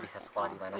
bisa sekolah dimana saja